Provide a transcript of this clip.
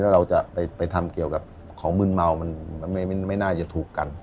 แล้วเราจะไปทำเกี่ยวกับของมืนเมามันไม่น่าจะถูกกัน